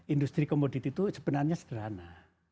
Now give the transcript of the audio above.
industri komoditi itu sebenarnya sederhana